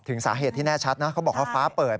สาเหตุที่แน่ชัดนะเขาบอกว่าฟ้าเปิด